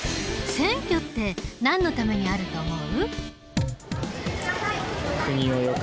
選挙ってなんのためにあると思う？